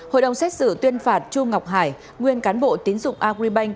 hội đồng xét xử tuyên phạt chu ngọc hải nguyên cán bộ tín dụng agribank